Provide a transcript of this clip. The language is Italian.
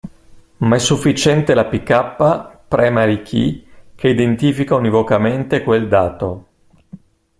Ma è sufficiente la PK (primary key) che identifica univocamente quel dato.